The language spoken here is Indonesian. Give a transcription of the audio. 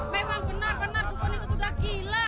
memang benar benar dukun itu sudah gila